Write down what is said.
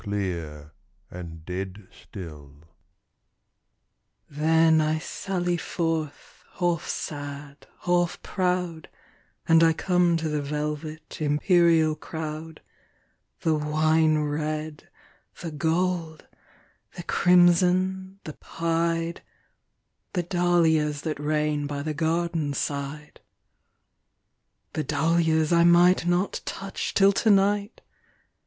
Then, I sally forth, half sad, half proud, And I come to the velvet, imperial crowd, The wine red, the gold, the crimson, the pied,—The dahlias that reign by the garden side. The dahlias I might not touch till to night!